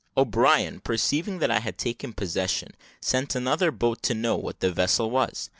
O'Brien perceiving that I had taken possession, sent another boat to know what the vessel was.